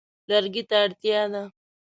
لرګي ته اړتیا ده.